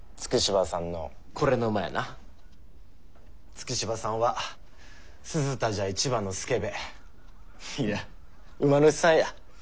月柴さんは鈴田じゃ一番のスケベいや馬主さんや。